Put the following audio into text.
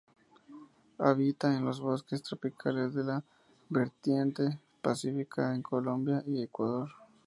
Habita en los bosques tropicales de la vertiente pacífica en Colombia y Ecuador.